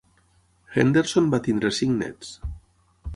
Henderson va tenir cinc nets.